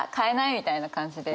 みたいな感じで。